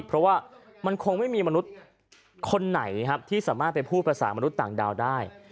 เพราะว่ามันคงไม่มีมนุษย์คนไหนครับที่สามารถไปพูดภาษามนุษย์ต่างดาวได้